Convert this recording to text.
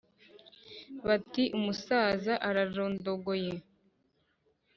bati : umusaza ararondogoye